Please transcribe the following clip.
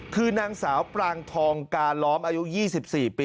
คือนางสาวปรางทองกาล้อมอายุ๒๔ปี